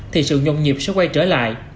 thì sự nhộn nhịp sẽ quay trở lại